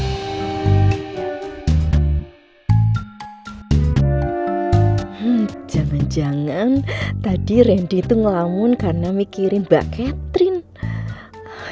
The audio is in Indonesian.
hmm jangan jangan tadi randy itu ngelamun karena mikirin mbak catherine